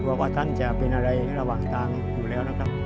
ว่าท่านจะเป็นอะไรระหว่างทางอยู่แล้วนะครับ